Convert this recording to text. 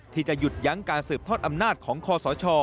ที่จะหยุดยั้งการสืบทอดอำนาจของคอสช